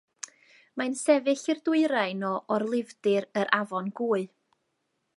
Mae'n sefyll i'r dwyrain o orlifdir yr Afon Gwy.